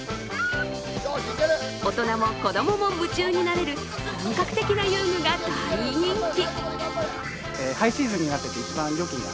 大人も子供も夢中になれる本格的な遊具が大人気。